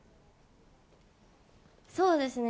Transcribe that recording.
そうですね。